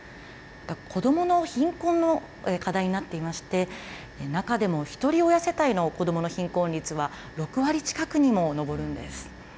子どもの貧困も課題になっていまして、中でもひとり親世帯の子どもの貧困率は、６割近くにも上るんです。